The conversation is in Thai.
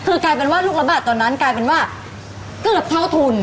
คือกลายเป็นว่าลูกระบาดตอนนั้นกลายเป็นว่าเกือบเท่าทุน